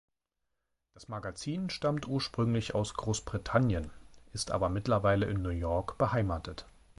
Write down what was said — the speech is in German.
Das Magazin stammt ursprünglich aus Großbritannien, ist aber mittlerweile in New York beheimatet.